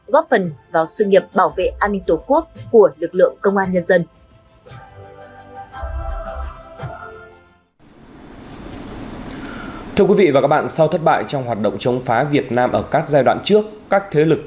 với ý đồ sử dụng vò bọc tổ chức phi chính phủ